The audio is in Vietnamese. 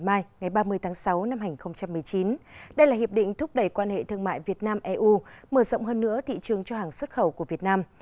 ngày mai ngày ba mươi tháng sáu năm hai nghìn một mươi chín đây là hiệp định thúc đẩy quan hệ thương mại việt nam eu mở rộng hơn nữa thị trường cho hàng xuất khẩu của việt nam